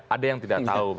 ada yang tidak tahu